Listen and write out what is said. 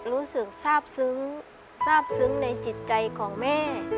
รู้สึกทราบซึ้งทราบซึ้งในจิตใจของแม่